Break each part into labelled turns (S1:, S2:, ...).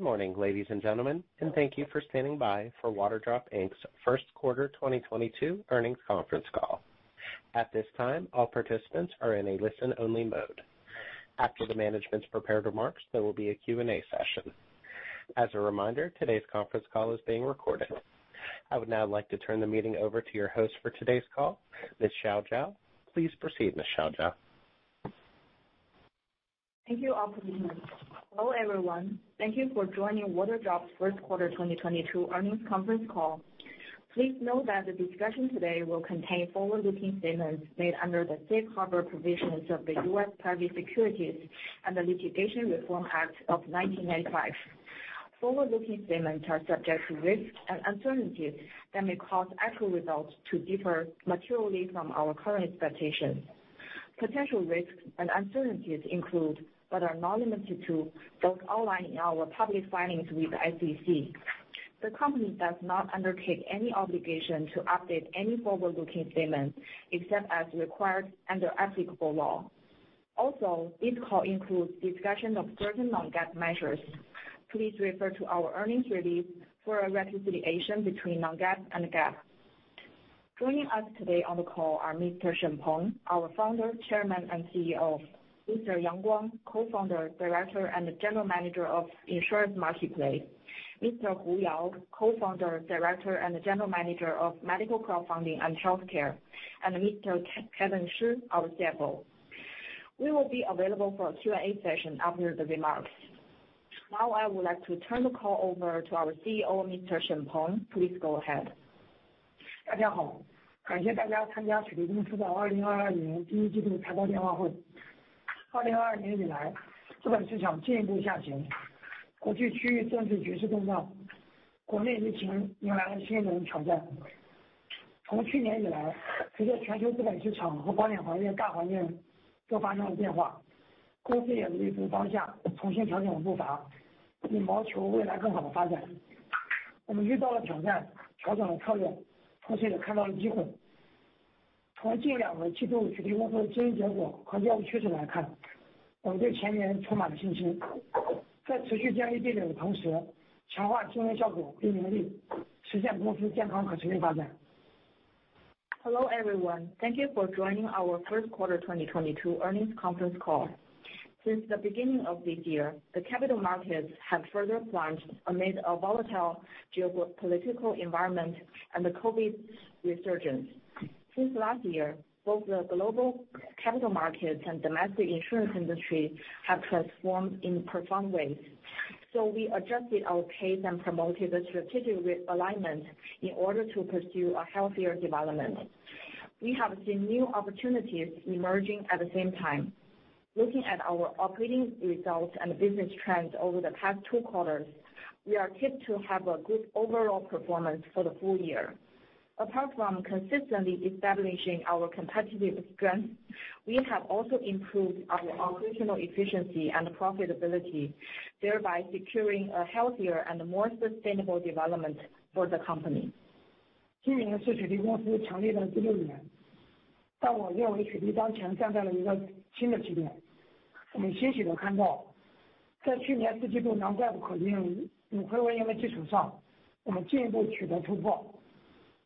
S1: Good morning, ladies and gentlemen, and thank you for standing by for Waterdrop Inc.'s Q1 2022 earnings conference call. At this time, all participants are in a listen-only mode. After the management's prepared remarks, there will be a Q&A session. As a reminder, today's conference call is being recorded. I would now like to turn the meeting over to your host for today's call, Ms. Xiaojiao Cui. Please proceed, Ms. Xiaojiao Cui.
S2: Thank you, operator. Hello, everyone. Thank you for joining Waterdrop Q1 2022 earnings conference call. Please note that the discussion today will contain forward-looking statements made under the safe harbor provisions of the U.S. Private Securities Litigation Reform Act of 1995. Forward-looking statements are subject to risks and uncertainties that may cause actual results to differ materially from our current expectations. Potential risks and uncertainties include, but are not limited to, those outlined in our public filings with the SEC. The company does not undertake any obligation to update any forward-looking statements except as required under applicable law. Also, this call includes discussion of certain non-GAAP measures. Please refer to our earnings release for a reconciliation between non-GAAP and GAAP. Joining us today on the call are Mr. Shen Peng, our founder, chairman, and CEO; Mr. Yang Guang, Co-founder, Director, and General Manager of Insurance Marketplace; Mr. Hu Yao, Co-founder, Director, and General Manager of Medical Crowdfunding and Healthcare; and Mr. Kevin Xu, our CFO. We will be available for a Q&A session after the remarks. Now I would like to turn the call over to our CEO, Mr. Shen Peng. Please go ahead.
S3: Hello, everyone. Thank you for joining our Q1 2022 earnings conference call. Since the beginning of this year, the capital markets have further plunged amid a volatile geopolitical environment and the COVID resurgence. Since last year, both the global capital markets and domestic insurance industry have transformed in profound ways. We adjusted our pace and promoted a strategic re-alignment in order to pursue a healthier development. We have seen new opportunities emerging at the same time. Looking at our operating results and business trends over the past two quarters, we are tipped to have a good overall performance for the full year. Apart from consistently establishing our competitive strength, we have also improved our operational efficiency and profitability, thereby securing a healthier and more sustainable development for the company.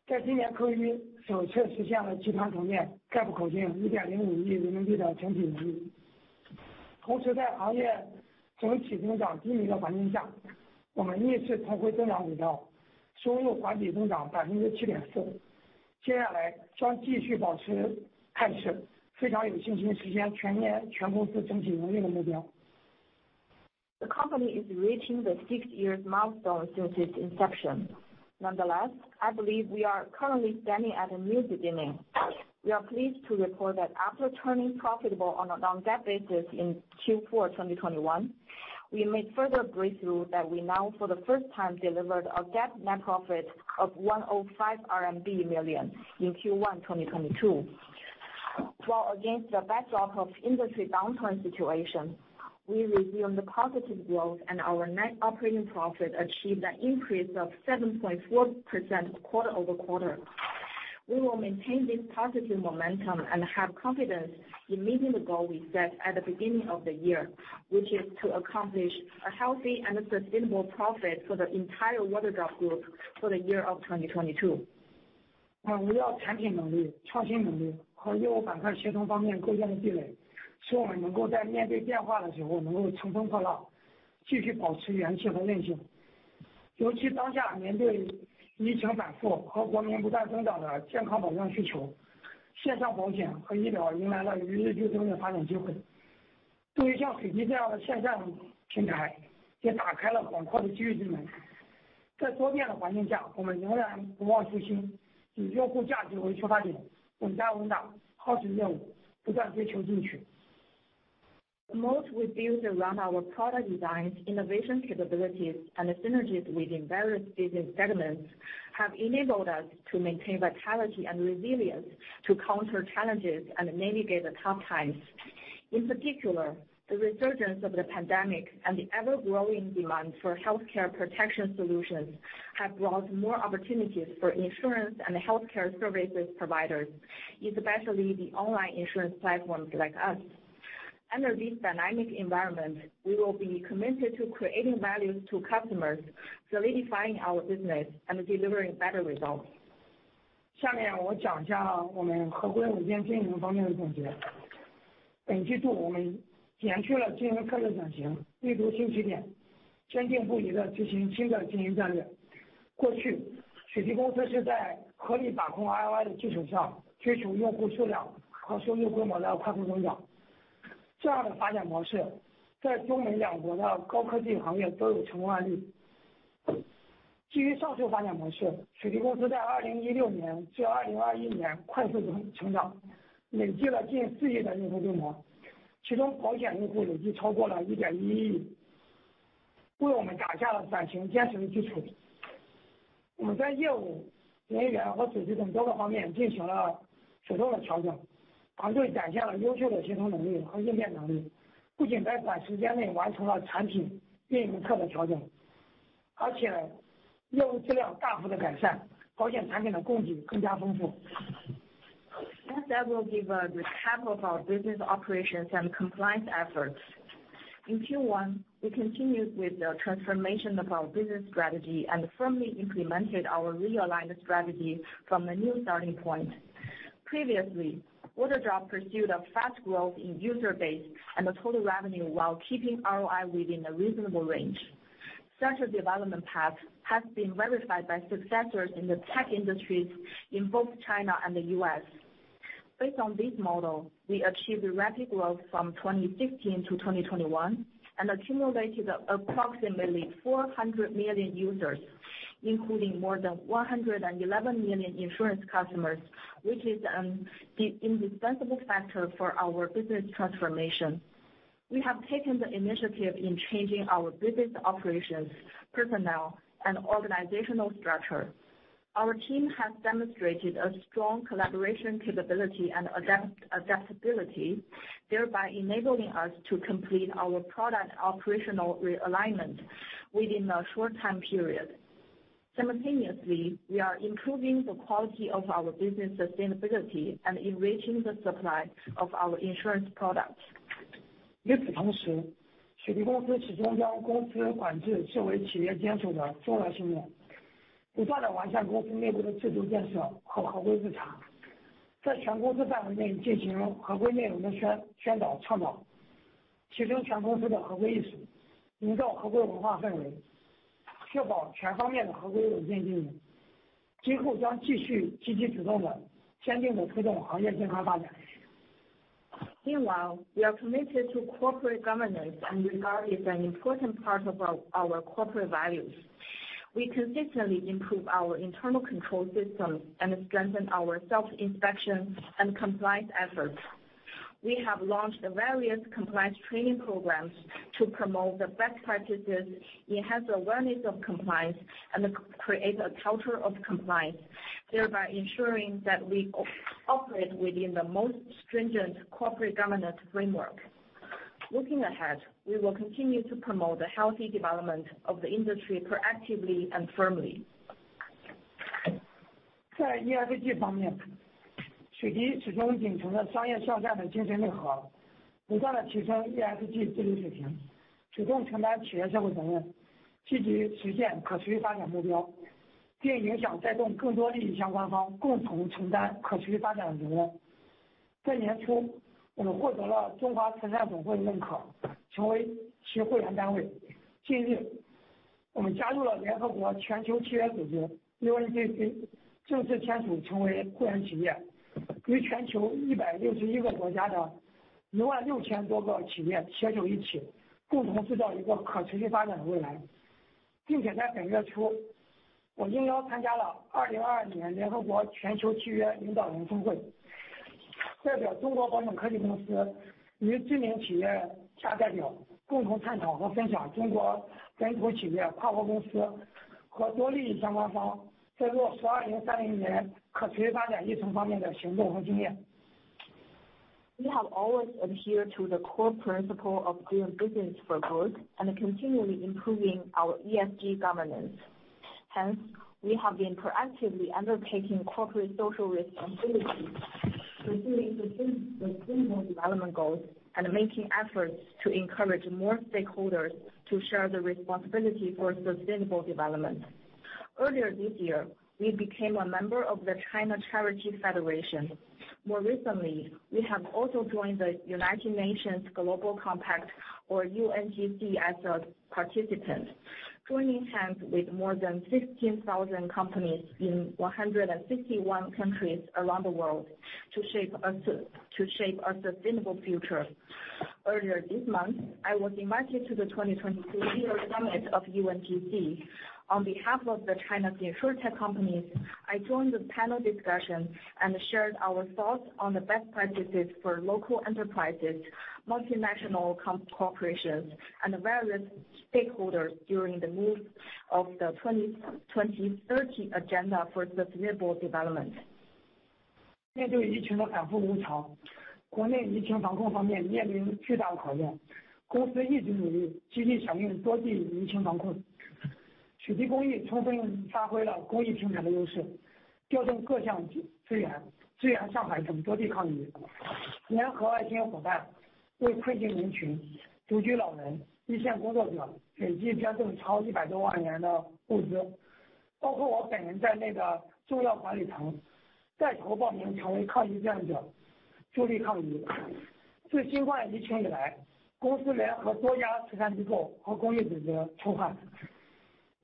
S3: The company is reaching the six years milestone since its inception. Nonetheless, I believe we are currently standing at a new beginning. We are pleased to report that after turning profitable on a non-GAAP basis in Q4 2021, we made further breakthrough that we now for the first time delivered a GAAP net profit of 105 million RMB in Q1 2022. While against the backdrop of industry downturn situation, we resumed the positive growth and our net operating profit achieved an increase of 7.4% quarter-over-quarter. We will maintain this positive momentum and have confidence in meeting the goal we set at the beginning of the year, which is to accomplish a healthy and sustainable profit for the entire Waterdrop Group for the year of 2022. The moat we built around our product designs, innovation capabilities, and the synergies within various business segments have enabled us to maintain vitality and resilience to counter challenges and navigate the tough times. In particular, the resurgence of the pandemic and the ever-growing demand for healthcare protection solutions have brought more opportunities for insurance and healthcare services providers, especially the online insurance platforms like us. Under this dynamic environment, we will be committed to creating values to customers, solidifying our business, and delivering better results.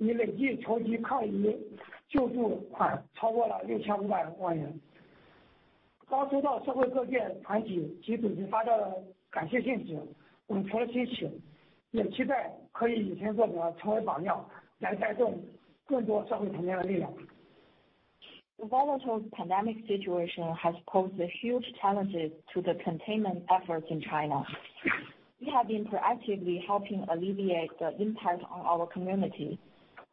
S3: The volatile pandemic situation has posed a huge challenges to the containment efforts in China. We have been proactively helping alleviate the impact on our community.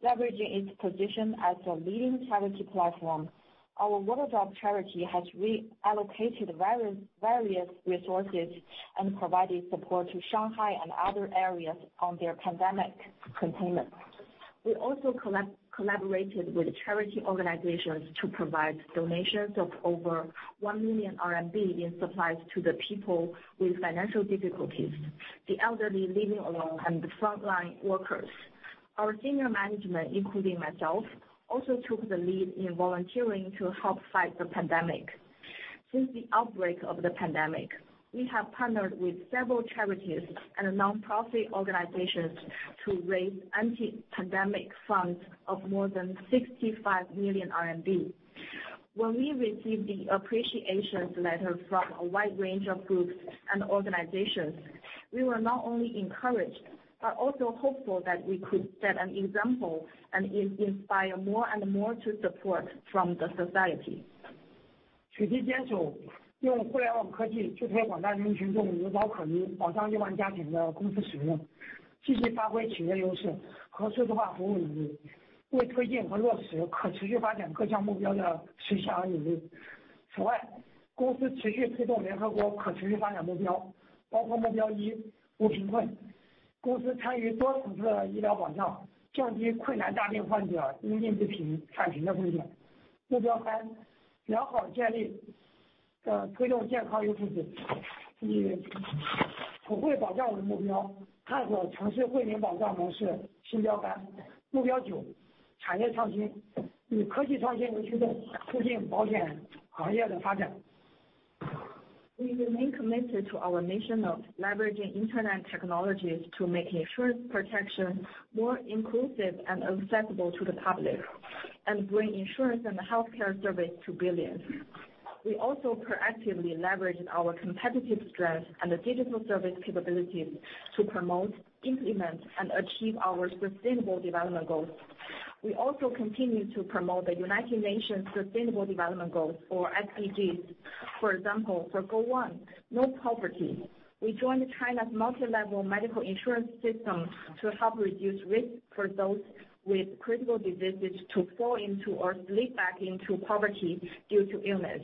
S3: Leveraging its position as a leading charity platform, our Waterdrop Charity has reallocated various resources and provided support to Shanghai and other areas on their pandemic containment. We also collaborated with charity organizations to provide donations of over 1 million RMB in supplies to the people with financial difficulties, the elderly living alone, and the frontline workers. Our senior management, including myself, also took the lead in volunteering to help fight the pandemic. Since the outbreak of the pandemic, we have partnered with several charities and nonprofit organizations to raise anti-pandemic funds of more than 65 million RMB. When we received the appreciation letter from a wide range of groups and organizations, we were not only encouraged, but also hopeful that we could set an example and inspire more and more to support from the society. We remain committed to our mission of leveraging internet technologies to make insurance protection more inclusive and accessible to the public, and bring insurance and healthcare service to billions. We also proactively leverage our competitive strengths and digital service capabilities to promote, implement, and achieve our sustainable development goals. We also continue to promote the United Nations Sustainable Development Goals, or SDGs. For example, for Goal 1, No Poverty. We joined China's multi-level medical insurance system to help reduce risk for those with critical diseases to fall into or slip back into poverty due to illness.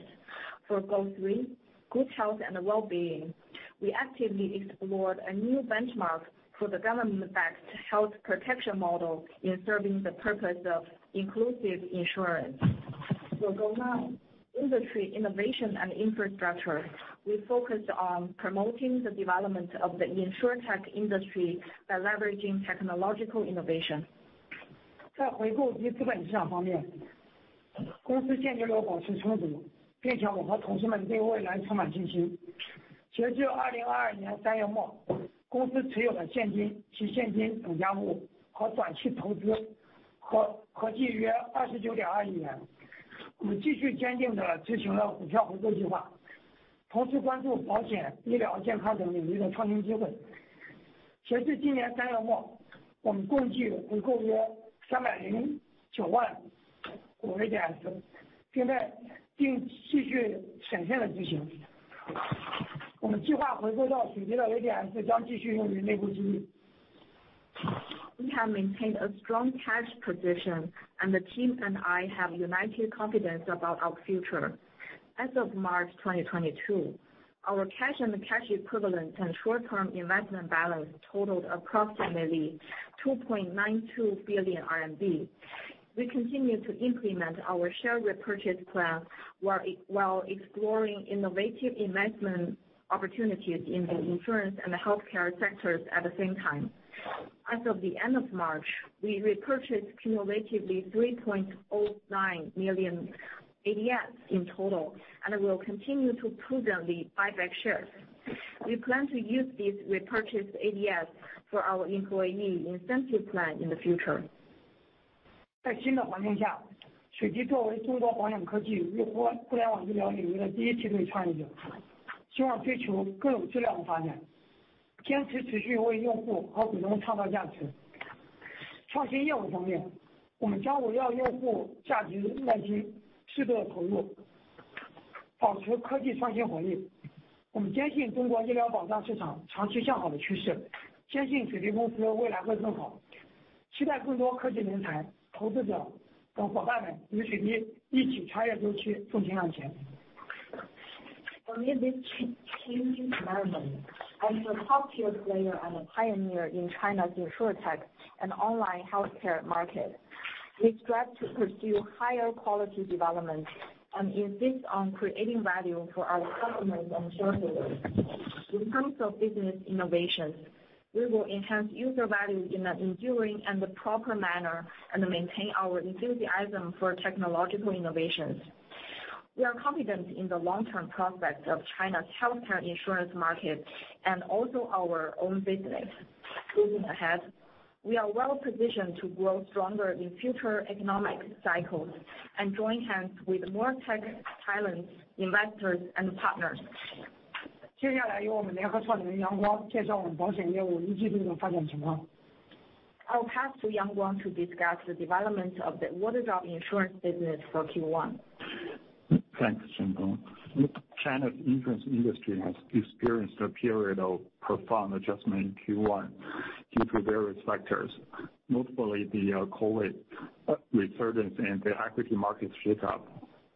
S3: For Goal 3, Good Health and Well-being. We actively explored a new benchmark for the government-backed health protection model in serving the purpose of inclusive insurance. For Goal 9, Industry, Innovation and Infrastructure. We focused on promoting the development of the insurtech industry by leveraging technological innovation. We have maintained a strong cash position, and the team and I have united confidence about our future. As of March 2022, our cash and cash equivalents and short term investment balance totaled approximately 2.92 billion RMB. We continue to implement our share repurchase plan while exploring innovative investment opportunities in the insurance and healthcare sectors at the same time. As of the end of March, we repurchased cumulatively 3.09 million ADS in total and will continue to prudently buy back shares. We plan to use these repurchased ADS for our employee incentive plan in the future.
S4: 在新的环境下，水滴作为中国保险科技与互联网医疗领域的第一梯队创业者，希望追求更高质量的发展，坚持持续为用户和股东创造价值。创新业务方面，我们将围绕用户价值，适度投入，保持科技创新活力。我们坚信中国医疗保障市场长期向好的趋势，坚信水滴公司的未来会更好。期待更多科技人才、投资者等伙伴们与水滴一起穿越周期，纵情向前。
S3: In this changing environment, as a top-tier player and a pioneer in China's insurtech and online healthcare market. We strive to pursue higher quality development and insist on creating value for our customers and shareholders. In terms of business innovation, we will enhance user value in an enduring and proper manner and maintain our enthusiasm for technological innovations. We are confident in the long-term prospects of China's health care insurance market and also our own business. Moving ahead, we are well-positioned to grow stronger in future economic cycles and join hands with more tech talents, investors, and partners. I'll pass to Yang Guang to discuss the development of the Waterdrop insurance business for Q1.
S5: Thanks, Shen Peng. China's insurance industry has experienced a period of profound adjustment in Q1 due to various factors, notably the COVID resurgence and the equity market shakeup.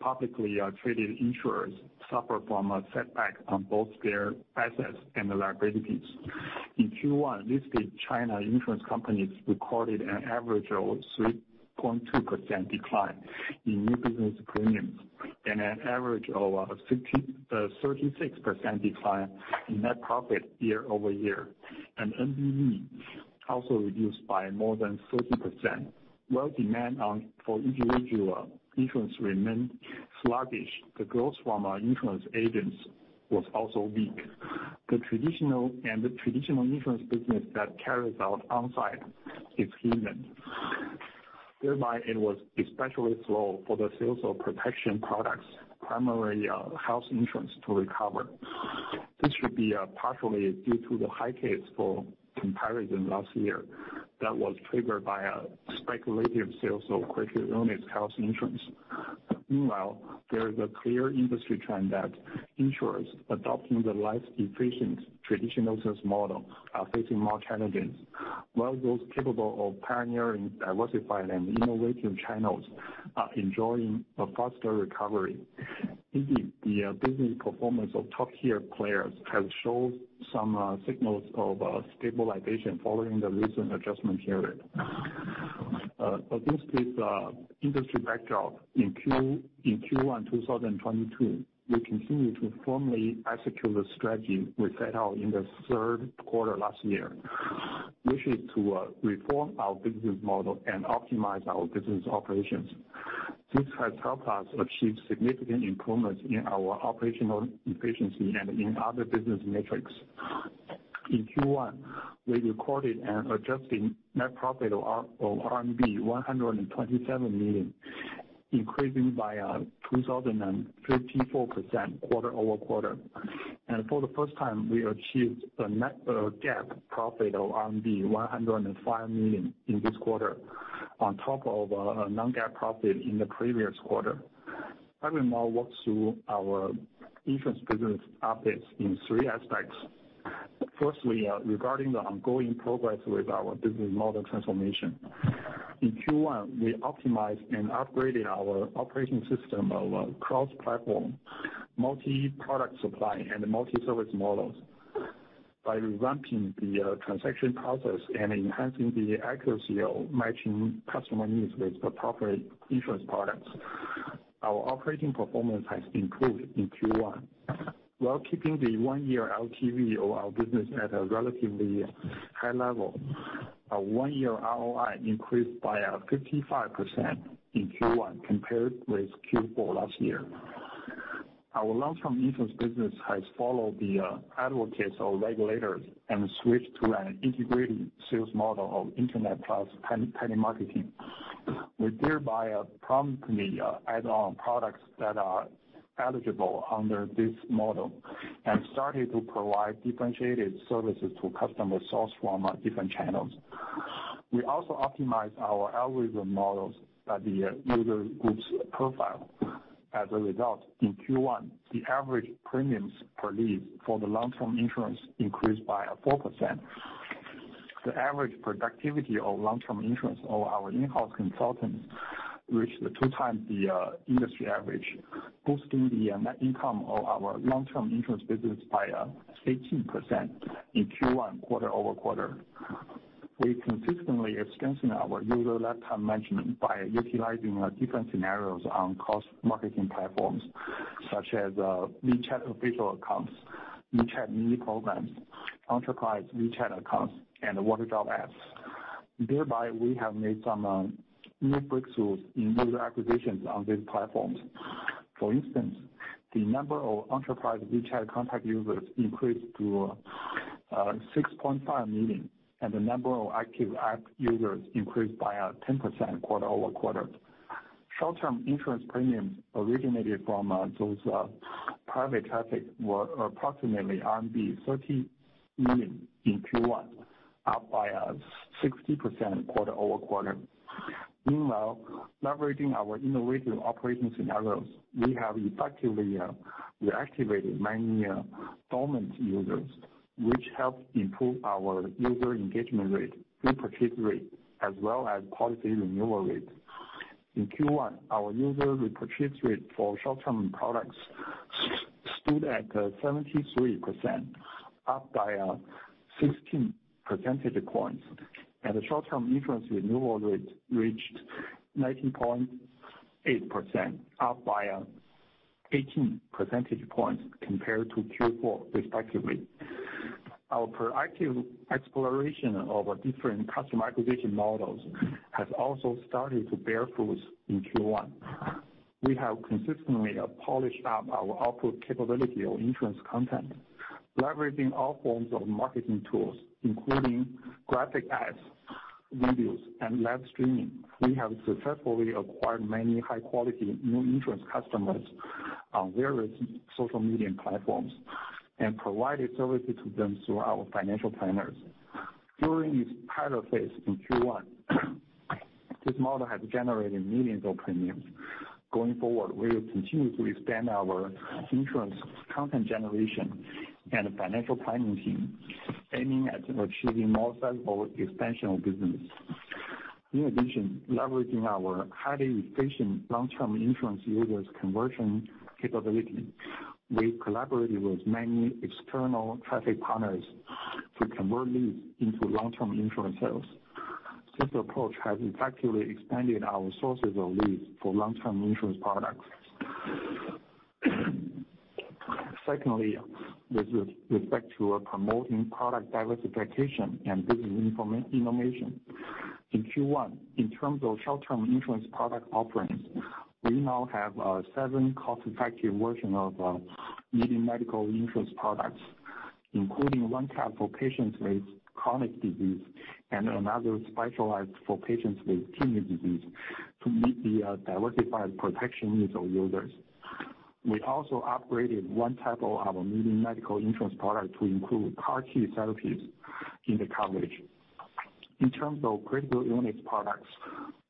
S5: Publicly traded insurers suffer from a setback on both their assets and liabilities. In Q1, listed China insurance companies recorded an average of 3.2% decline in new business premiums and an average of 36% decline in net profit year-over-year. NBV also reduced by more than 13%, while demand for individual insurance remained sluggish. The growth from our insurance agents was also weak. The traditional insurance business that carries out on-site is human. Thereby, it was especially slow for the sales of protection products, primarily health insurance to recover. This should be partially due to the high base for comparison last year that was triggered by a speculative sales of critical illness health insurance. Meanwhile, there is a clear industry trend that insurers adopting the less efficient traditional sales model are facing more challenges, while those capable of pioneering diversified and innovative channels are enjoying a faster recovery. The business performance of top-tier players has showed some signals of stabilization following the recent adjustment period. Against this industry backdrop in Q1 2022, we continue to firmly execute the strategy we set out in the Q3 last year, which is to reform our business model and optimize our business operations. This has helped us achieve significant improvements in our operational efficiency and in other business metrics. In Q1, we recorded an adjusted net profit of RMB 127 million, increasing by 2,054% quarter-over-quarter. For the first time, we achieved a GAAP profit of 105 million in this quarter on top of a non-GAAP profit in the previous quarter. Let me now walk through our insurance business updates in three aspects. Firstly, regarding the ongoing progress with our business model transformation. In Q1, we optimized and upgraded our operating system to a cross-platform, multi-product supply, and multi-service models. By revamping the transaction process and enhancing the accuracy of matching customer needs with the proper insurance products, our operating performance has improved in Q1. While keeping the one-year LTV of our business at a relatively high level, our one-year ROI increased by 55% in Q1 compared with Q4 last year. Our long-term insurance business has followed the regulators and switched to an integrated sales model of internet plus telemarketing. We thereby prompted the add-on products that are eligible under this model and started to provide differentiated services to customers sourced from different channels. We also optimized our algorithm models by the user groups profile. As a result, in Q1, the average premiums per lead for the long-term insurance increased by 4%. The average productivity of long-term insurance of our in-house consultants reached 2 times the industry average, boosting the net income of our long-term insurance business by 16% in Q1 quarter-over-quarter. We consistently extend our user lifetime management by utilizing different scenarios on cross-marketing platforms such as WeChat official accounts, WeChat mini programs, enterprise WeChat accounts, and Waterdrop apps. Thereby, we have made some new breakthroughs in user acquisitions on these platforms. For instance, the number of enterprise WeChat contact users increased to 6.5 million, and the number of active app users increased by 10% quarter-over-quarter. Short-term insurance premiums originated from those private traffic were approximately RMB 30 million in Q1, up by 60% quarter-over-quarter. Meanwhile, leveraging our innovative operating scenarios, we have effectively reactivated many dormant users, which helped improve our user engagement rate, repurchase rate, as well as policy renewal rate. In Q1, our user repurchase rate for short-term products stood at 73%, up by 16 percentage points. The short-term insurance renewal rate reached 19.8%, up by 18 percentage points compared to Q4 respectively. Our proactive exploration of different customer acquisition models has also started to bear fruits in Q1. We have consistently polished up our output capability of insurance content, leveraging all forms of marketing tools, including graphic ads, videos, and live streaming. We have successfully acquired many high quality new insurance customers on various social media platforms and provided services to them through our financial planners. During this pilot phase in Q1, this model has generated millions of premiums. Going forward, we will continue to expand our insurance content generation and financial planning team, aiming at achieving more sizable expansion of business. In addition, leveraging our highly efficient long-term insurance users conversion capability, we collaborated with many external traffic partners to convert leads into long-term insurance sales. This approach has effectively expanded our sources of leads for long-term insurance products. Secondly, with respect to promoting product diversification and business innovation. In Q1, in terms of short-term insurance product offerings, we now have seven cost-effective versions of leading medical insurance products, including one type for patients with chronic disease and another specialized for patients with kidney disease to meet the diversified protection needs of users. We also upgraded one type of our leading medical insurance product to include targeted therapies in the coverage. In terms of critical illness products,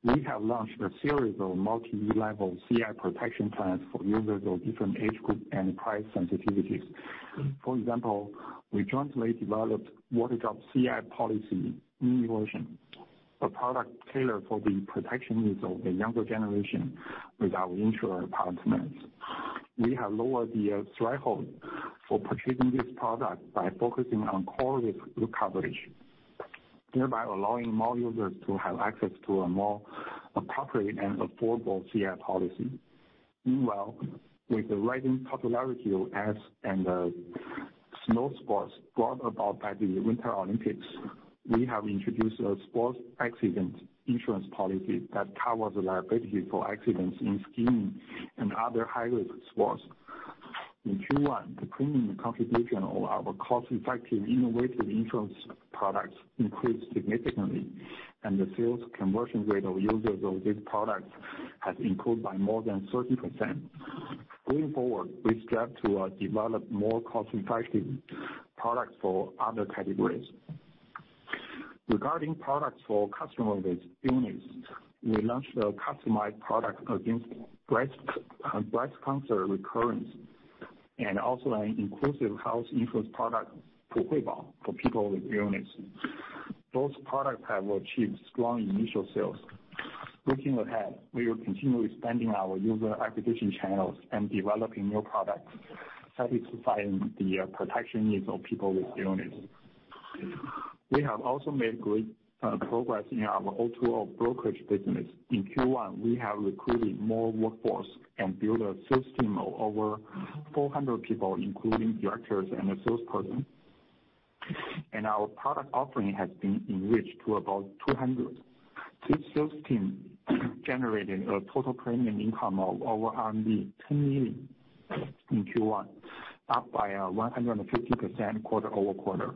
S5: we have launched a series of multi-level CI protection plans for users of different age groups and price sensitivities. For example, we jointly developed Waterdrop CI policy new version, a product tailored for the protection needs of the younger generation with our insurer partners. We have lowered the threshold for purchasing this product by focusing on quality recovery, thereby allowing more users to have access to a more appropriate and affordable CI policy. Meanwhile, with the rising popularity of ads and snow sports brought about by the Winter Olympics, we have introduced a sports accident insurance policy that covers liability for accidents in skiing and other high-risk sports. In Q1, the premium contribution of our cost-effective innovative insurance products increased significantly, and the sales conversion rate of users of these products has improved by more than 30%. Going forward, we strive to develop more cost-effective products for other categories. Regarding products for customers with illness, we launched a customized product against breast cancer recurrence and also an inclusive health insurance product, Pu Huibao, for people with illness. Those products have achieved strong initial sales. Looking ahead, we will continue expanding our user acquisition channels and developing new products, satisfying the protection needs of people with illness. We have also made great progress in our O2O brokerage business. In Q1, we have recruited more workforce and built a sales team of over 400 people, including directors and a sales person. Our product offering has been enriched to about 200. This sales team generated a total premium income of over RMB 10 million in Q1, up by 150% quarter-over-quarter.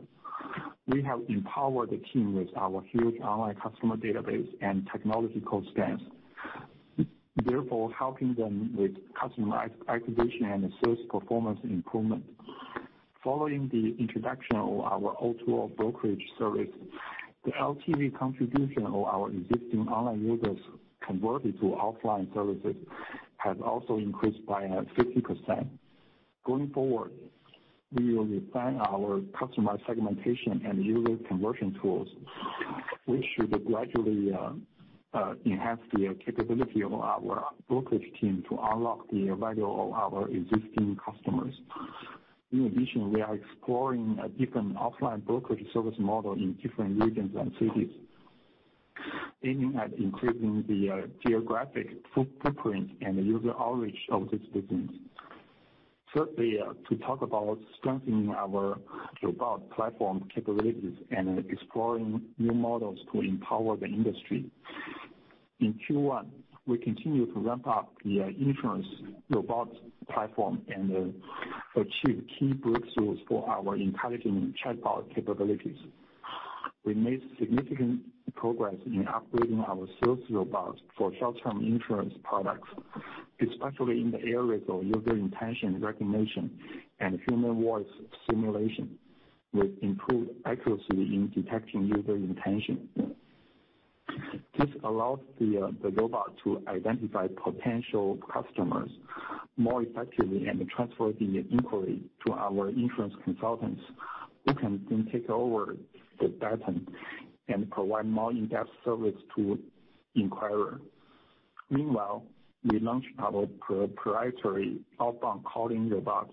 S5: We have empowered the team with our huge online customer database and technology cost base, therefore helping them with customer acquisition and the sales performance improvement. Following the introduction of our O2O brokerage service, the LTV contribution of our existing online users converted to offline services has also increased by 50%. Going forward, we will refine our customer segmentation and user conversion tools, which should gradually enhance the capability of our brokerage team to unlock the value of our existing customers. In addition, we are exploring a different offline brokerage service model in different regions and cities, aiming at increasing the geographic footprint and user outreach of this business. Thirdly, to talk about strengthening our robot platform capabilities and exploring new models to empower the industry. In Q1, we continued to ramp up the insurance robot platform and achieve key breakthroughs for our intelligent chatbot capabilities. We made significant progress in upgrading our sales robots for short-term insurance products, especially in the areas of user intention recognition and human voice simulation with improved accuracy in detecting user intention. This allows the robot to identify potential customers more effectively and transfer the inquiry to our insurance consultants, who can then take over the baton and provide more in-depth service to inquirer. Meanwhile, we launched our proprietary outbound calling robot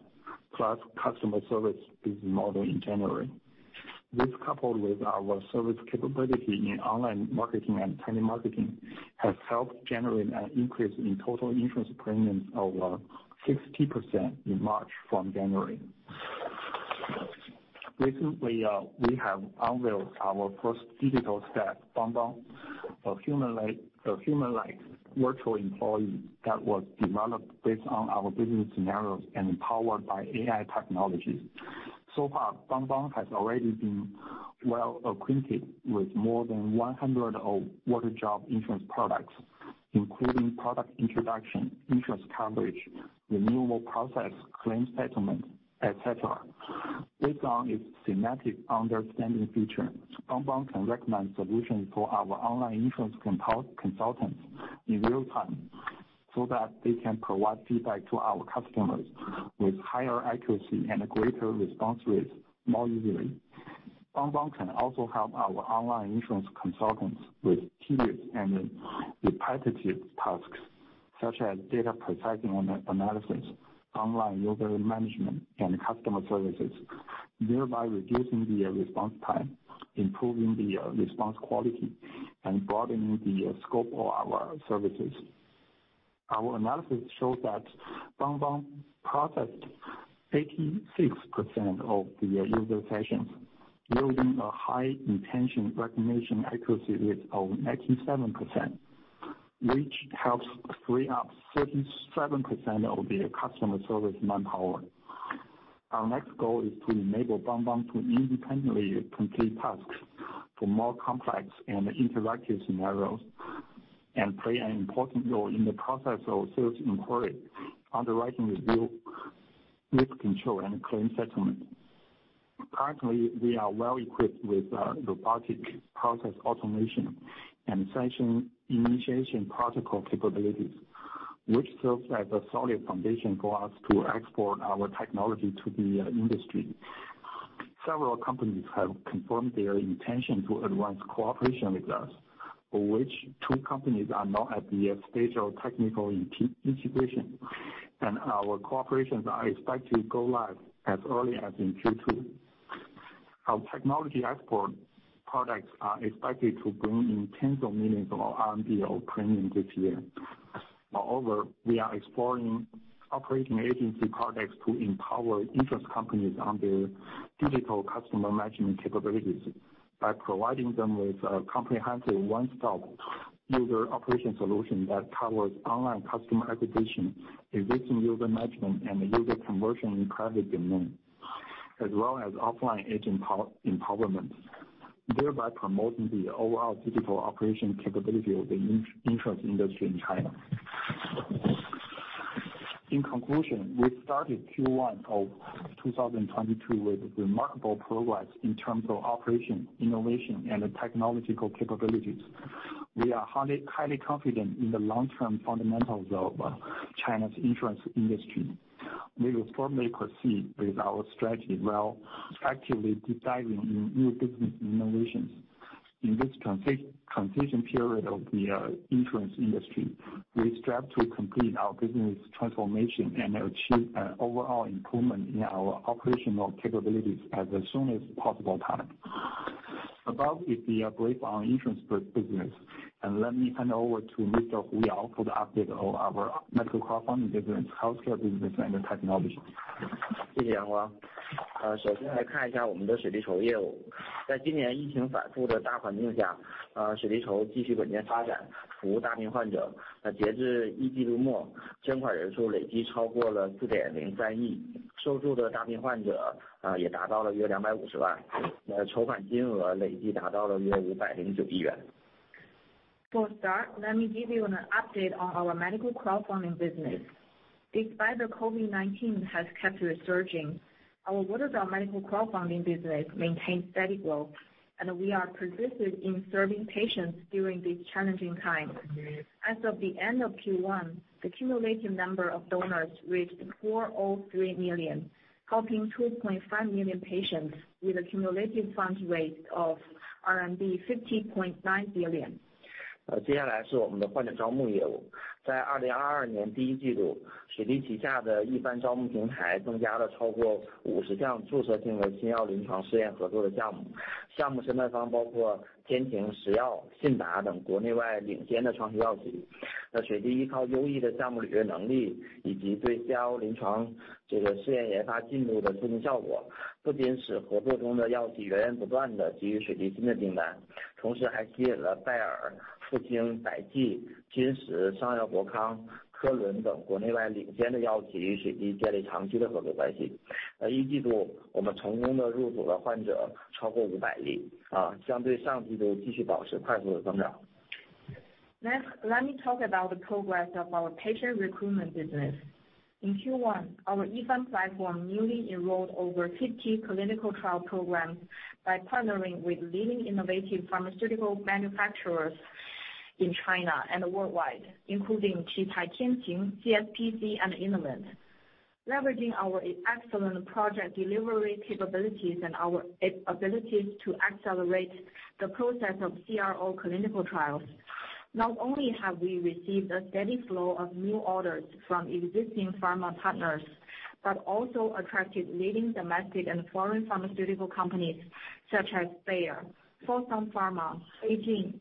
S5: plus customer service business model in January. This coupled with our service capability in online marketing and telemarketing, has helped generate an increase in total insurance premiums over 60% in March from January. Recently, we have unveiled our first digital staff, Bangbang, a human-like virtual employee that was developed based on our business scenarios and powered by AI technology. So far, Bangbang has already been well acquainted with more than 100 of Waterdrop insurance products, including product introduction, insurance coverage, renewable process, claim settlement, et cetera. Based on its semantic understanding feature, Bangbang can recommend solutions to our online insurance consultants in real time so that they can provide feedback to our customers with higher accuracy and a greater response rate more easily. Bangbang can also help our online insurance consultants with tedious and repetitive tasks such as data processing analysis, online user management, and customer services, thereby reducing the response time, improving the response quality, and broadening the scope of our services. Our analysis shows that Bangbang processed 86% of the user sessions, yielding a high intention recognition accuracy rate of 97%, which helps free up 37% of the customer service manpower. Our next goal is to enable Bangbang to independently complete tasks for more complex and interactive scenarios, and play an important role in the process of sales inquiry, underwriting review, risk control, and claim settlement. Currently, we are well equipped with robotic process automation and session initiation protocol capabilities, which serves as a solid foundation for us to export our technology to the industry. Several companies have confirmed their intention to advance cooperation with us, for which two companies are now at the stage of technical integration, and our cooperations are expected to go live as early as in Q2. Our technology export products are expected to bring in 10,000,000 million RMB of premium this year. Moreover, we are exploring operating agency products to empower insurance companies on their digital customer management capabilities by providing them with a comprehensive one-stop user operation solution that covers online customer acquisition, existing user management, and user conversion in private domain, as well as offline agent empowerment, thereby promoting the overall digital operation capability of the insurance industry in China. In conclusion, we started Q1 of 2022 with remarkable progress in terms of operation, innovation, and technological capabilities. We are highly confident in the long term fundamentals of China's insurance industry. We will firmly proceed with our strategy while actively designing new business innovations. In this transition period of the insurance industry, we strive to complete our business transformation and achieve an overall improvement in our operational capabilities at the soonest possible time. Above is the brief on insurance business. Let me hand over to Mr. Hu Yao for the update of our medical crowdfunding business, healthcare business, and technology.
S6: For a start, let me give you an update on our medical crowdfunding business. Despite the COVID-19 has kept resurging, our Waterdrop medical crowdfunding business maintained steady growth, and we are persistent in serving patients during these challenging times. As of the end of Q1, the cumulative number of donors reached 403 million, helping 2.5 million patients with a cumulative fund raise of CNY 50.9 billion. Next, let me talk about the progress of our patient recruitment business. In Q1, our E-find platform newly enrolled over 50 clinical trial programs by partnering with leading innovative pharmaceutical manufacturers in China and worldwide, including CSPC and Innovent. Leveraging our excellent project delivery capabilities and our abilities to accelerate the process of CRO clinical trials. Not only have we received a steady flow of new orders from existing pharma partners, but also attracted leading domestic and foreign pharmaceutical companies such as Bayer, Fosun Pharma, BeiGene,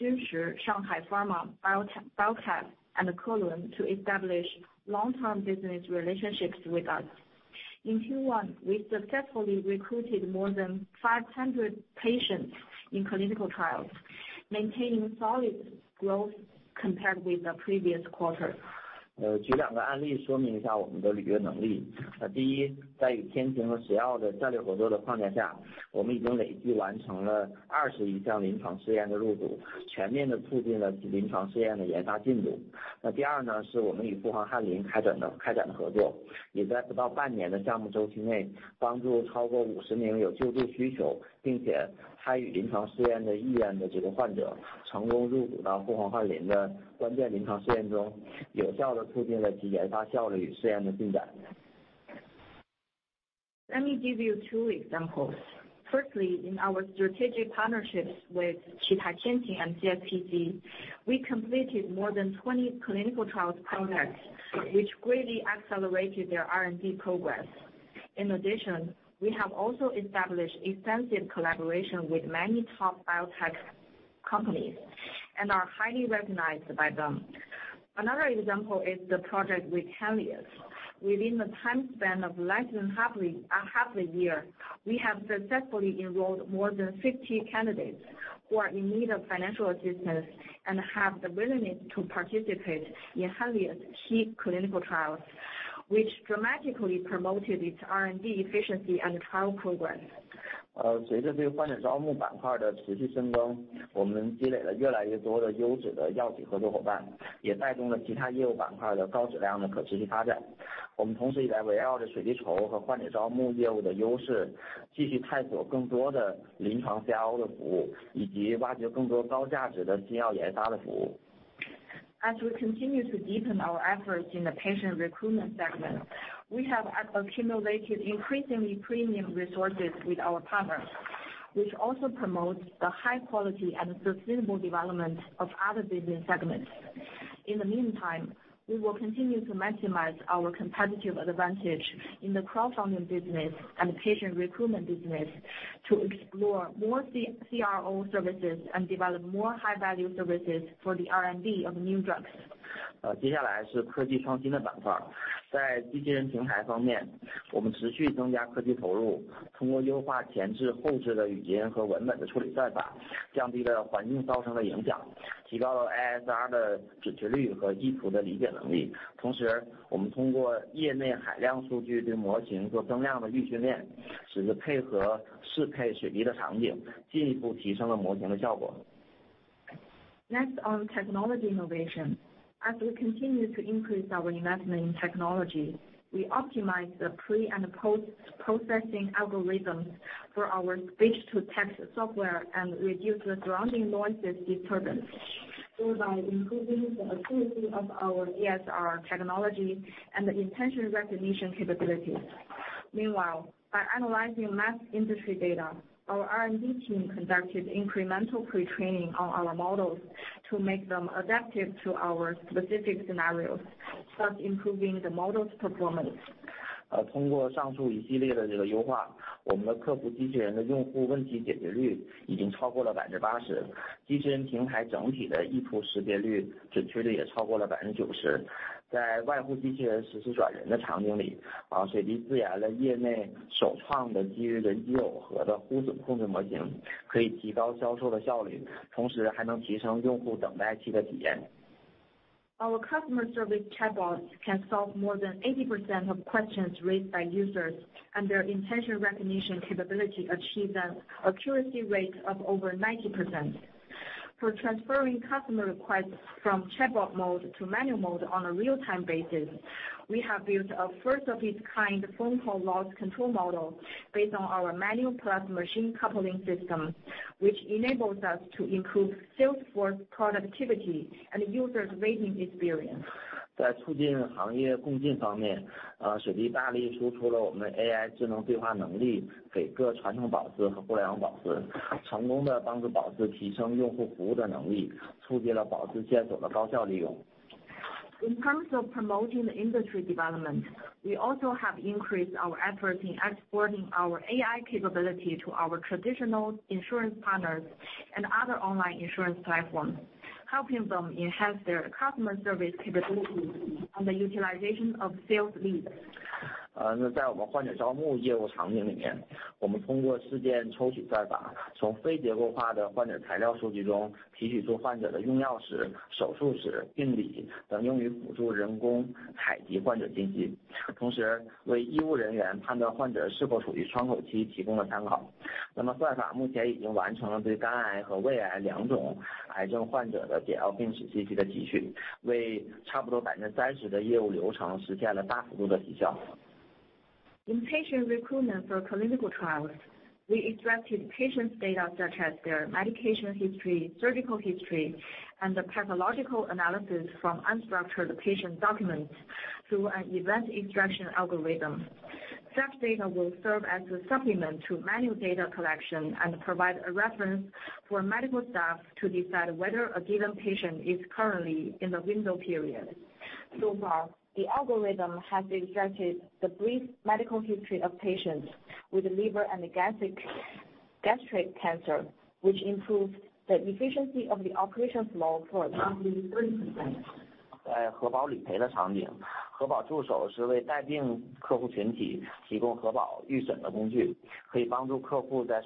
S6: Junshi, Shanghai Pharma, Biocab, and Colon to establish long-term business relationships with us. In Q1, we successfully recruited more than 500 patients in clinical trials, maintaining solid growth compared with the previous quarter. Let me give you two examples. Firstly, in our strategic partnerships with China Tieting and CSPC, we completed more than 20 clinical trials projects, which greatly accelerated their R&D progress. In addition, we have also established extensive collaboration with many top biotech companies and are highly recognized by them. Another example is the project with Henlius. Within the time span of less than half a year, we have successfully enrolled more than 50 candidates who are in need of financial assistance and have the willingness to participate in Henlius' key clinical trials, which dramatically promoted its R&D efficiency and trial progress. As we continue to deepen our efforts in the patient recruitment segment, we have accumulated increasingly premium resources with our partners, which also promotes the high quality and sustainable development of other business segments. In the meantime, we will continue to maximize our competitive advantage in the crowdfunding business and patient recruitment business to explore more CRO services and develop more high value services for the R&D of new drugs. Next on technology innovation. As we continue to increase our investment in technology, we optimize the pre- and post-processing algorithms for our speech-to-text software and reduce the surrounding noise disturbance, thereby improving the accuracy of our ASR technology and the intention recognition capabilities. Meanwhile, by analyzing massive industry data, our R&D team conducted incremental pre-training on our models to make them adaptive to our specific scenarios, thus improving the model's performance. Our customer service chatbots can solve more than 80% of questions raised by users, and their intention recognition capability achieves an accuracy rate of over 90%. For transferring customer requests from chatbot mode to manual mode on a real-time basis, we have built a first-of-its-kind phone call loss control model based on our manual plus machine coupling system, which enables us to improve sales force productivity and users' waiting experience. In terms of promoting the industry development, we also have increased our effort in exporting our AI capability to our traditional insurance partners and other online insurance platforms, helping them enhance their customer service capabilities and the utilization of sales leads. In patient recruitment for clinical trials, we extracted patients' data such as their medication history, surgical history, and the pathological analysis from unstructured patient documents through an event extraction algorithm. Such data will serve as a supplement to manual data collection and provide a reference for medical staff to decide whether a given patient is currently in the window period. So far, the algorithm has extracted the brief medical history of patients with liver and gastric cancer, which improves the efficiency of the operation flow for In Hebao claims settlement scene, Hebao Assistant is a tool for customers with illnesses to provide Hebao pre-screening. It can help customers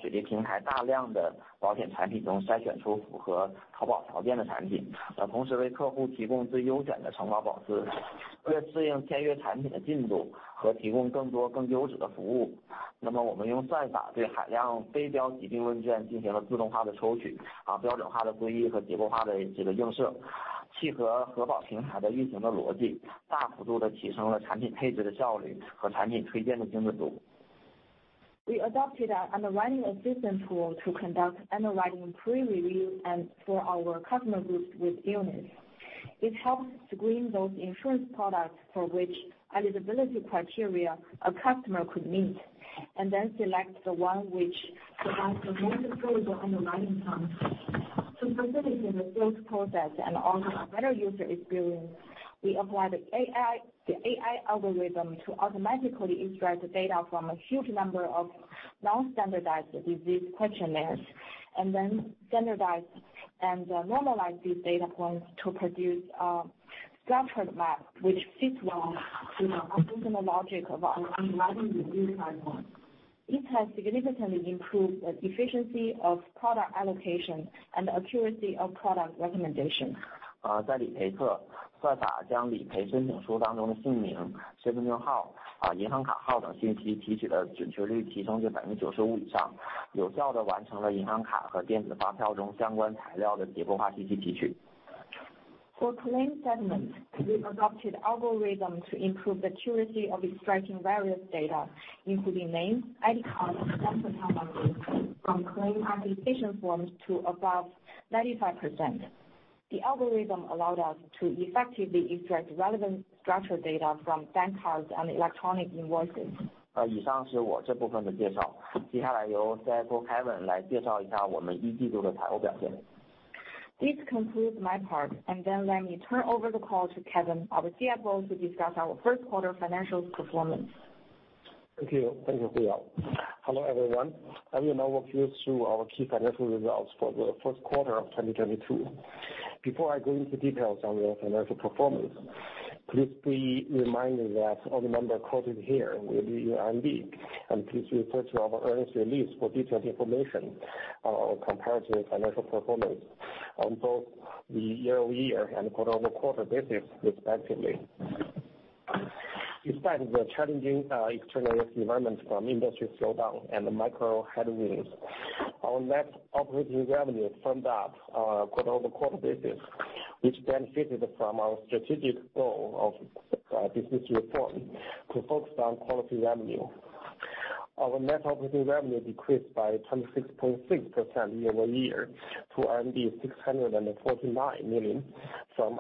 S6: select from a large amount of insurance products on the Waterdrop platform to select products that meet the conditions of Hebao, and at the same time provide customers with the most optimal insurance coverage. In order to adapt to the progress of the signed products and provide more and better services, we use algorithms to automatically extract a large amount of non-standardized disease questionnaires, standardize and normalize these data points to produce a structured map that fits well to the operational logic of our underwriting review pipeline. This has significantly improved the efficiency of product allocation and accuracy of product recommendation. We adopted an underwriting assistant tool to conduct underwriting pre-review and for our customer groups with illness. It helps screen those insurance products for which eligibility criteria a customer could meet, and then select the one which provides the most affordable underwriting term. To facilitate the sales process and also a better user experience, we applied AI, the AI algorithm to automatically extract the data from a huge number of non-standardized disease questionnaires, and then standardize and normalize these data points to produce a structured map which fits well to the operational logic of our underwriting review timeline. It has significantly improved the efficiency of product allocation and accuracy of product recommendation. In the claims settlement, the accuracy of extracting various data, such as name, ID card, and bank card number from claims application forms, has been improved to above 95% by the algorithm. The algorithm allowed us to effectively extract relevant structured data from bank cards and electronic invoices. This concludes my part, and then let me turn over the call to Kevin Xu, our CFO, to discuss our Q1 financial performance.
S7: Thank you. Thank you, Hu Yao. Hello, everyone. I will now walk you through our key financial results for the Q1 of 2022. Before I go into details on the financial performance, please be reminded that all the numbers quoted here will be CNY, and please refer to our earnings release for detailed information or comparative financial performance on both the year-over-year and quarter-over-quarter basis, respectively. Despite the challenging external environment from industry slowdown and the macro headwinds, our net operating revenue firmed up on a quarter-over-quarter basis, which benefited from our strategic goal of business reform to focus on quality revenue. Our net operating revenue decreased by 26.6% year-over-year to 649 million, from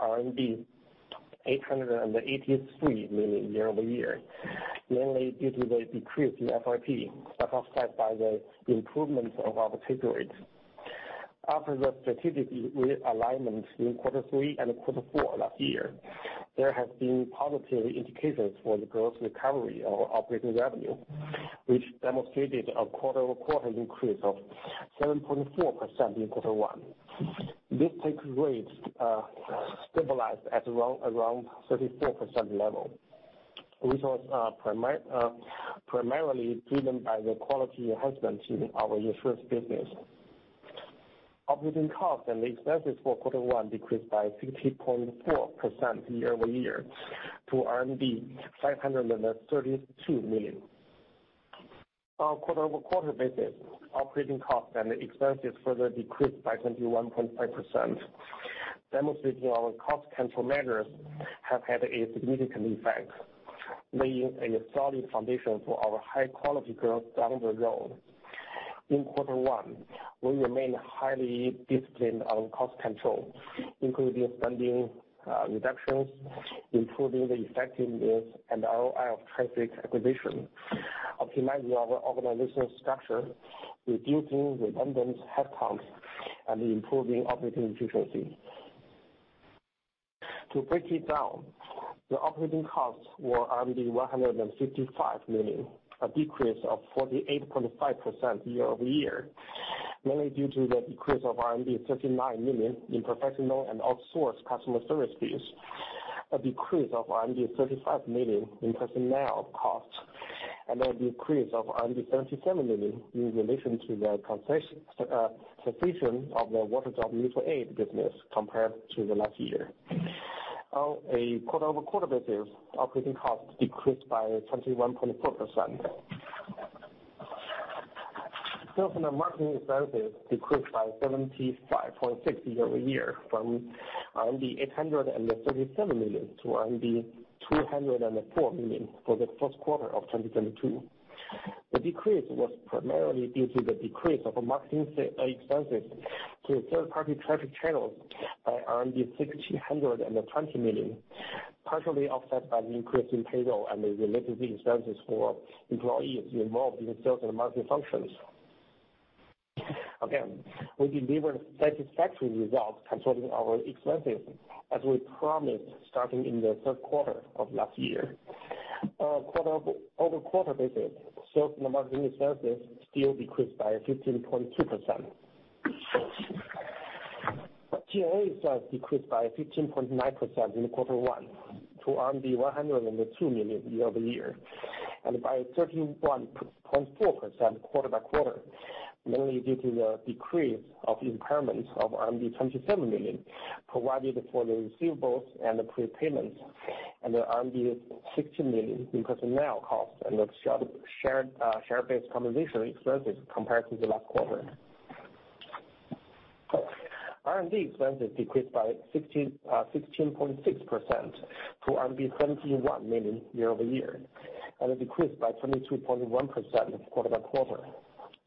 S7: 883 million year-over-year, mainly due to the decrease in FYP, but offset by the improvements of our take rate. After the strategic re-alignment in Q3 and Q4 last year, there have been positive indicators for the growth recovery of operating revenue, which demonstrated a quarter-over-quarter increase of 7.4% in Q1. This take rate stabilized at around 34% level, which was primarily driven by the quality enhancement in our insurance business. Operating costs and expenses for Q1 decreased by 60.4% year-over-year to RMB 532 million. On a quarter-over-quarter basis, operating costs and expenses further decreased by 21.5%, demonstrating our cost control measures have had a significant effect, laying a solid foundation for our high quality growth down the road. In Q1, we remain highly disciplined on cost control, including spending reductions, improving the effectiveness and ROI of traffic acquisition, optimizing our organizational structure, reducing redundant headcount, and improving operating efficiency. To break it down, the operating costs were 155 million, a decrease of 48.5% year-over-year, mainly due to the decrease of RMB 39 million in professional and outsourced customer service fees, a decrease of RMB 35 million in personnel costs, and a decrease of RMB 37 million in relation to the cessation of the Waterdrop Mutual Aid business compared to the last year. On a quarter-over-quarter basis, operating costs decreased by 21.4%. Sales and marketing expenses decreased by 75.6% year-over-year from RMB 837 million to RMB 204 million for the Q1 of 2022. The decrease was primarily due to the decrease of our marketing expenses to a third party traffic channels by RMB 620 million, partially offset by an increase in payroll and the related expenses for employees involved in the sales and marketing functions. Again, we delivered satisfactory results controlling our expenses as we promised starting in the Q3 of last year. Quarter-over-quarter basis, sales and marketing expenses still decreased by 15.2%. G&A expenses decreased by 15.9% in Q1 to 102 million year-over-year, and by 13.4% quarter-over-quarter, mainly due to the decrease of impairments of RMB 27 million provided for the receivables and the prepayments and the RMB 60 million in personnel costs and the shared share-based compensation expenses compared to the last quarter. R&D expenses decreased by 16.6% to RMB 21 million year-over-year, and it decreased by 22.1% quarter-over-quarter,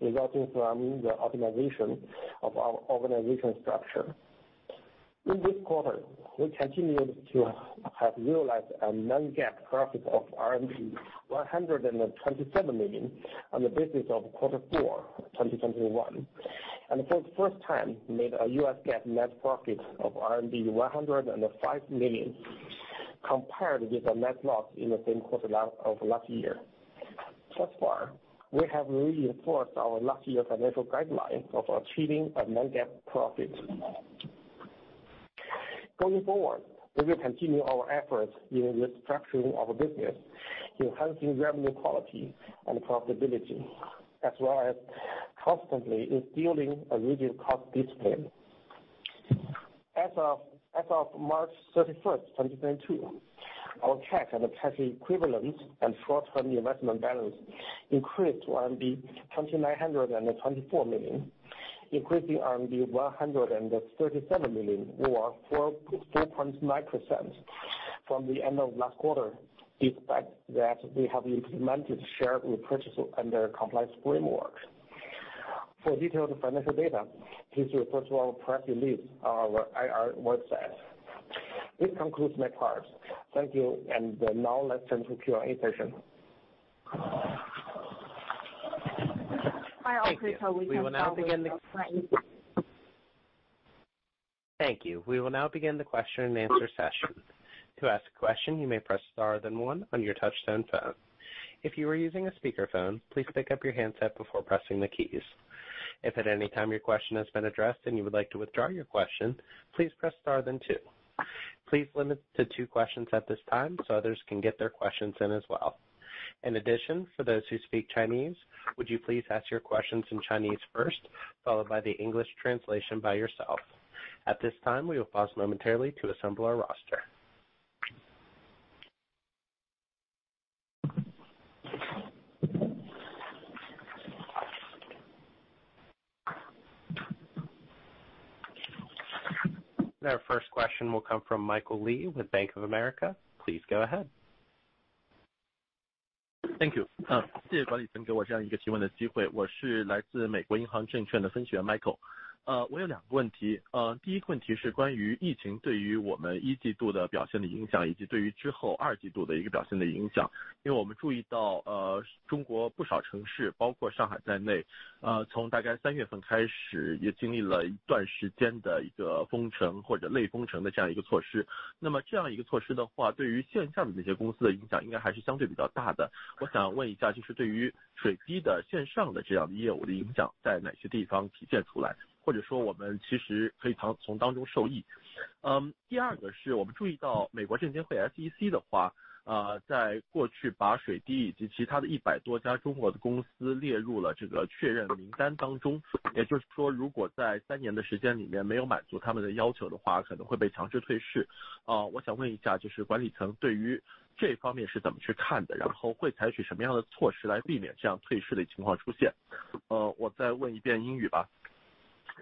S7: resulting from the optimization of our organizational structure. In this quarter, we continued to have realized a non-GAAP profit of RMB 127 million on the basis of Q4, 2021. For the first time, made a U.S GAAP net profit of 105 million compared with the net loss in the same quarter of last year. Thus far, we have reinforced our last year's financial guideline of achieving a non-GAAP profit. Going forward, we will continue our efforts in restructuring our business, enhancing revenue quality and profitability, as well as constantly instilling a rigid cost discipline. As of March 31st, 2022, our cash and cash equivalents and short-term investment balance increased RMB 2,924 million, increasing RMB 137 million or 4.9% from the end of last quarter, despite that we have implemented share repurchase under a complex framework. For detailed financial data, please refer to our press release on our IR website. This concludes my part. Thank you. Now let's turn to Q&A session. Hi, operator. We can now begin.
S1: Thank you. We will now begin the question and answer session. To ask a question, you may press star then one on your touchtone phone. If you are using a speakerphone, please pick up your handset before pressing the keys. If at any time your question has been addressed and you would like to withdraw your question, please press star then two. Please limit to two questions at this time so others can get their questions in as well. In addition, for those who speak Chinese, would you please ask your questions in Chinese first, followed by the English translation by yourself. At this time, we will pause momentarily to assemble our roster. Our first question will come from Michael Li with Bank of America. Please go ahead.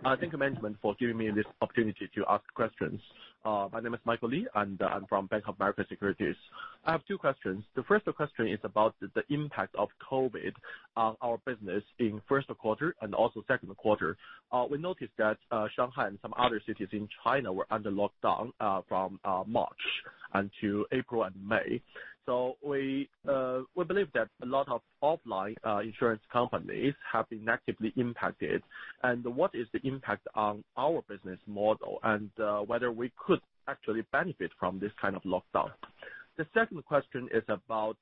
S8: Thank you management for giving me this opportunity to ask questions. My name is Michael Li, and I'm from BofA Securities. I have two questions. The first question is about the impact of COVID on our business in Q1 and also Q2. We noticed that Shanghai and some other cities in China were under lockdown from March until April and May. We believe that a lot of offline insurance companies have been negatively impacted and what is the impact on our business model and whether we could actually benefit from this kind of lockdown. The second question is about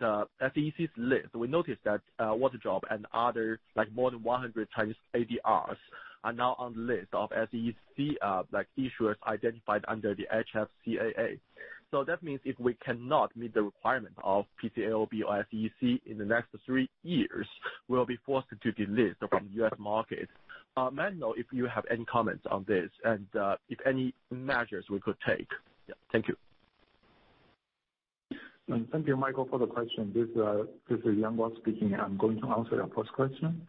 S8: the SEC's list. We noticed that Waterdrop and other more than 100 Chinese ADRs are now on the list of SEC issuers identified under the HFCAA. That means if we cannot meet the requirement of PCAOB or SEC in the next three years, we'll be forced to delist from the U.S. market. May I know if you have any comments on this and if any measures we could take? Yeah. Thank you.
S5: Thank you, Michael, for the question. This is Yang Guang speaking. I'm going to answer your first question.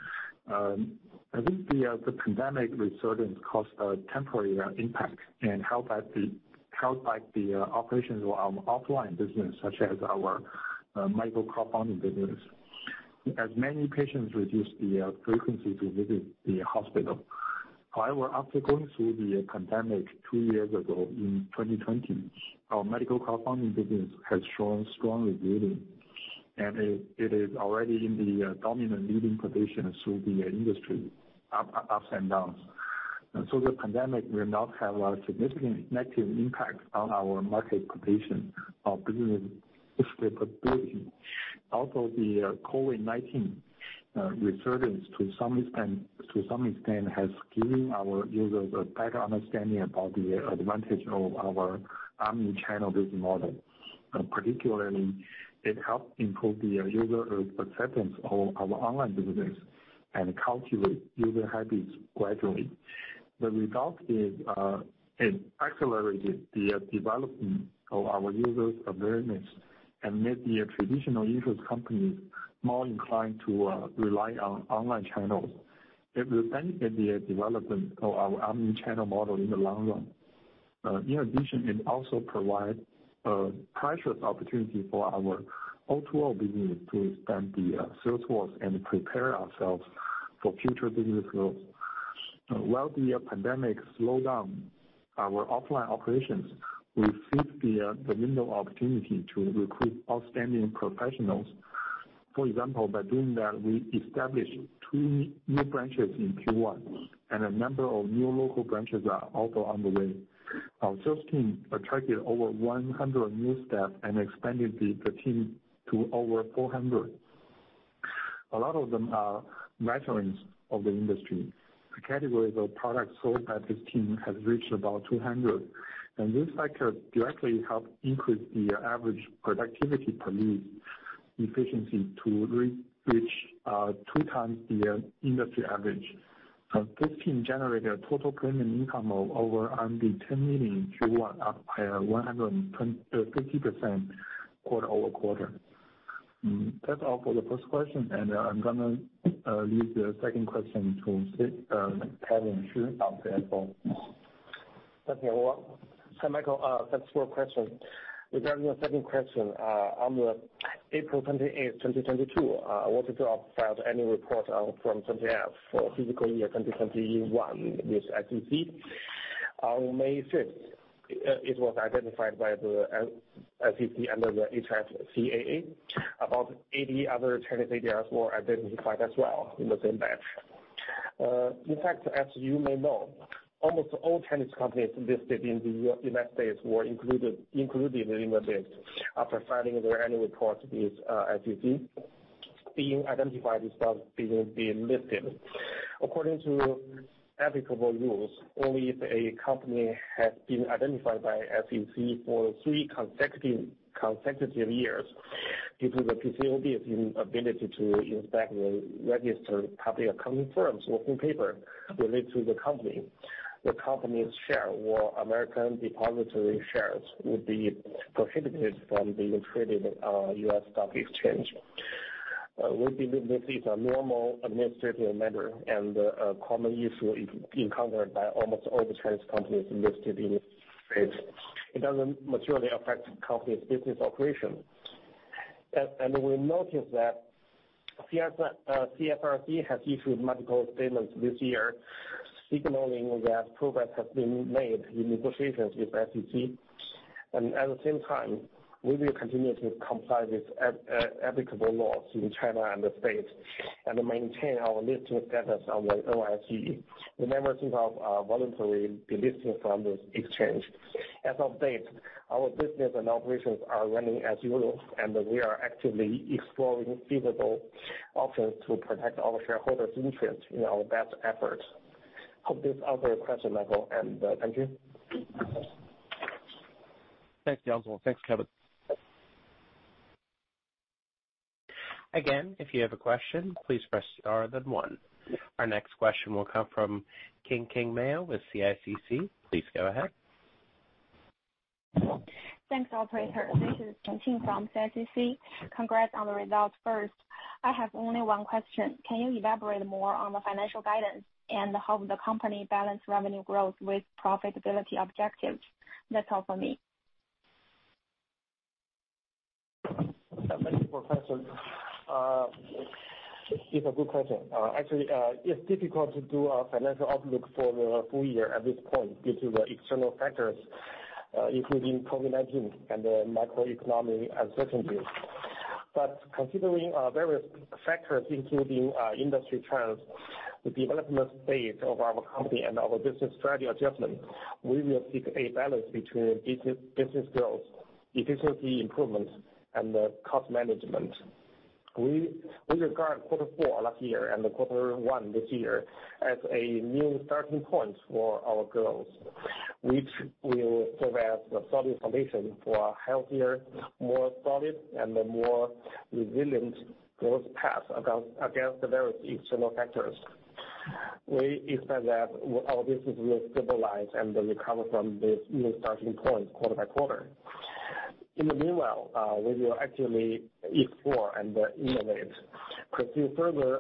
S5: I think the pandemic resurgence caused a temporary impact and held back the operations of our offline business, such as our medical crowdfunding business. As many patients reduced the frequency to visit the hospital. However, after going through the pandemic two years ago in 2020, our medical crowdfunding business has shown strong resilience, and it is already in the dominant leading position through the industry ups and downs. The pandemic will not have a significant negative impact on our market position or business capability. Also, the COVID-19 resurgence to some extent has given our users a better understanding about the advantage of our omni-channel business model. Particularly it helped improve the user acceptance of our online business and cultivate user habits gradually. The result is, it accelerated the development of our users' awareness and made the traditional insurance companies more inclined to rely on online channels. It will benefit the development of our omni-channel model in the long run. In addition, it also provide precious opportunity for our O2O business to expand the sales force and prepare ourselves for future business growth. While the pandemic slowed down our offline operations, we seized the window of opportunity to recruit outstanding professionals. For example, by doing that, we established three new branches in Q1, and a number of new local branches are also on the way. Our sales team attracted over 100 new staff and expanded the team to over 400. A lot of them are veterans of the industry. The categories of products sold by this team has reached about 200, and this factor directly helped increase the average productivity per lead efficiency to reach 2 times the industry average. This team generated a total premium income of over 10 million in Q1, up by 150% quarter-over-quarter. That's all for the first question, and I'm gonna leave the second question to Kevin Xu of finance.
S7: Thank you. Michael, thanks for your question. Regarding the second question, on April 28, 2022, Waterdrop filed annual report, Form 20-F for fiscal year 2021 with SEC. On May 5th, it was identified by the SEC under the HFCAA. About 80 other Chinese ADRs were identified as well in the same batch. In fact, as you may know, almost all Chinese companies listed in the United States were included in the batch after filing their annual report with SEC. Being identified as well, being delisted. According to applicable rules, only if a company has been identified by SEC for three consecutive years due to the PCAOB's inability to inspect the registered public accounting firms or audit papers related to the company, the company's share or American depository shares would be prohibited from being traded on U.S. stock exchange. We believe this is a normal administrative matter and a common issue encountered by almost all the Chinese companies listed in the States. It doesn't materially affect the company's business operation. We notice that CSRC has issued multiple statements this year signaling that progress has been made in negotiations with SEC. At the same time, we will continue to comply with applicable laws in China and the States and maintain our listing status on the OTC. We never think of voluntarily delisting from this exchange. As of date, our business and operations are running as usual, and we are actively exploring feasible options to protect our shareholders' interest in our best efforts. Hope this answer your question, Michael Li, and thank you.
S8: Thanks, Yang. Thanks, Kevin.
S1: Again, if you have a question, please press star then one. Our next question will come from Qingqing Mao with CICC. Please go ahead.
S9: Thanks, operator. This is Qingqing from CICC. Congrats on the results first. I have only one question. Can you elaborate more on the financial guidance and how the company balance revenue growth with profitability objectives? That's all for me.
S7: Thank you for your question. It's a good question. Actually, it's difficult to do a financial outlook for the full year at this point due to the external factors, including COVID-19 and the macroeconomic uncertainty. Considering various factors including industry trends, the development space of our company and our business strategy adjustment, we will seek a balance between business growth, efficiency improvement, and cost management. We regard Q4 last year and the Q1 this year as a new starting point for our growth, which will serve as the solid foundation for a healthier, more solid, and a more resilient growth path against the various external factors. We expect that our business will stabilize and then recover from this new starting point quarter by quarter. In the meanwhile, we will actively explore and innovate, pursue further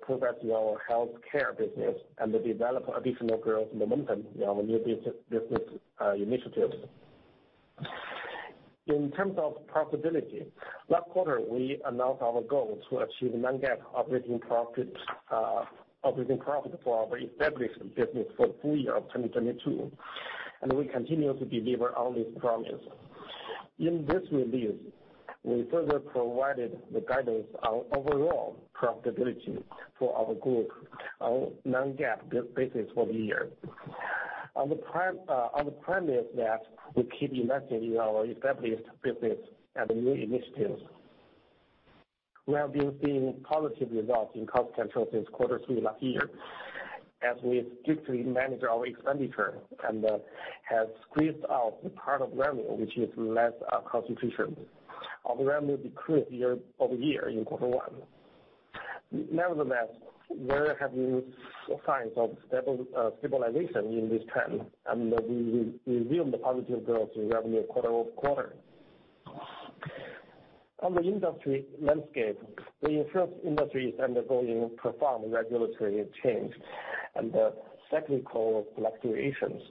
S7: professional health care business, and develop additional growth momentum in our new business initiatives. In terms of profitability, last quarter, we announced our goal to achieve non-GAAP operating profit for our established business for full year of 2022, and we continue to deliver on this promise. In this release, we further provided the guidance on overall profitability for our group on non-GAAP basis for the year. On the premise that we keep investing in our established business and new initiatives. We have been seeing positive results in cost control since Q3 last year, as we strictly manage our expenditure and have squeezed out the part of revenue, which is less contribution. Our revenue decreased year over year in Q1. Nevertheless, we are having signs of stabilization in this trend, and we revealed the positive growth in revenue quarter over quarter. On the industry landscape, the insurance industry is undergoing profound regulatory change and the cyclical fluctuations.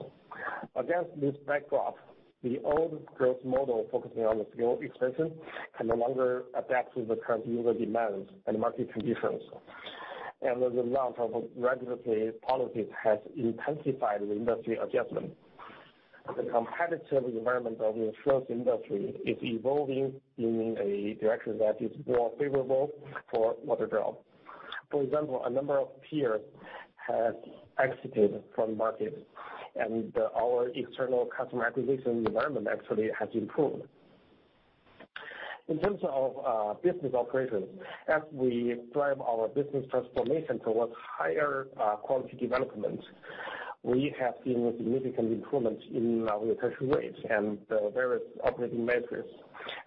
S7: Against this backdrop, the old growth model focusing on the scale expansion can no longer adapt to the current user demands and market conditions. The result of regulatory policies has intensified the industry adjustment. The competitive environment of insurance industry is evolving in a direction that is more favorable for Waterdrop. For example, a number of peers have exited from market, and our external customer acquisition environment actually has improved. In terms of business operations, as we drive our business transformation towards higher quality development, we have seen significant improvements in our retention rates and the various operating metrics,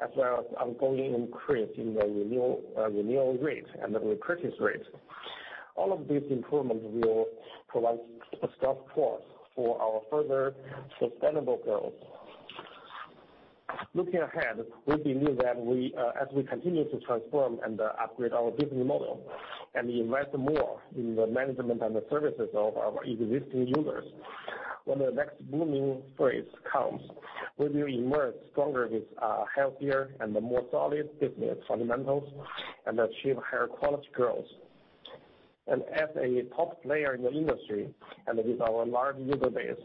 S7: as well as ongoing increase in the renewal rate and the repurchase rate. All of these improvements will provide a strong force for our further sustainable growth. Looking ahead, we believe that as we continue to transform and upgrade our business model and invest more in the management and the services of our existing users, when the next booming phase comes, we will emerge stronger with healthier and a more solid business fundamentals and achieve higher quality growth. As a top player in the industry, and with our large user base,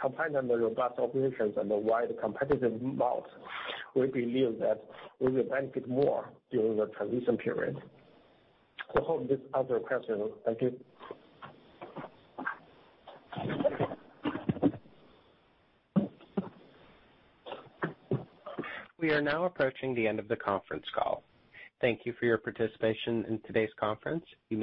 S7: combined with the robust operations and the wide competitive moat, we believe that we will benefit more during the transition period. We'll hold the other questions. Thank you.
S1: We are now approaching the end of the conference call. Thank you for your participation in today's conference. You may